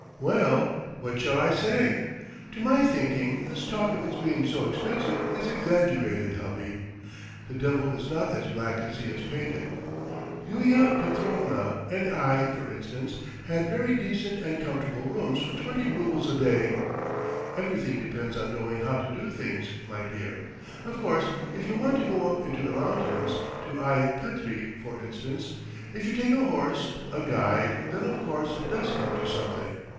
"Well, what shall I say? To my thinking this talk of its being so expensive is exaggerated, hubby. The devil is not as black as he is painted. Yulia Petrovna and I, for instance, had very decent and comfortable rooms for twenty roubles a day. Everything depends on knowing how to do things, my dear. Of course if you want to go up into the mountains ... to Aie Petri for instance ... if you take a horse, a guide, then of course it does come to something.